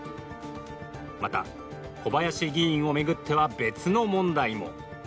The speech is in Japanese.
また、小林議員を巡っては別の問題も。